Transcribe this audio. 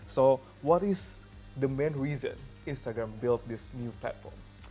jadi apa adalah alasan utama instagram membangun platform baru ini